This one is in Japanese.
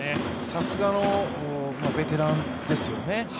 さすがのベテランですよね。